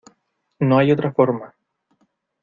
no hay otra forma.